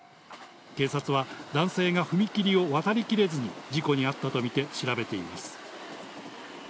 警察は男性が踏切を渡りきれずに事故に遭ったと見て調べています。